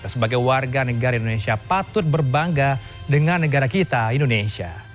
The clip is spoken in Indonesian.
sebagai warga negara indonesia patut berbangga dengan negara kita indonesia